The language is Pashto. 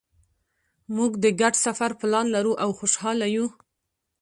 مونږ د ګډ سفر پلان لرو او خوشحاله یو